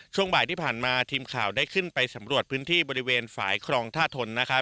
ช่วงบ่ายที่ผ่านมาทีมข่าวได้ขึ้นไปสำรวจพื้นที่บริเวณฝ่ายครองท่าทนนะครับ